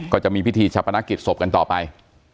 ก็จะมีพิธีชะพนักกิจศพกันต่อไป